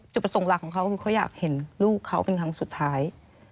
ประสงค์หลักของเขาคือเขาอยากเห็นลูกเขาเป็นครั้งสุดท้าย